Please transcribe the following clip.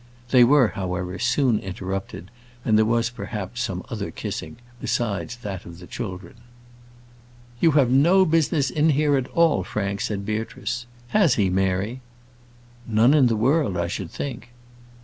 They were, however, soon interrupted, and there was, perhaps, some other kissing besides that of the children. "You have no business in here at all, Frank," said Beatrice. "Has he, Mary?" "None in the world, I should think."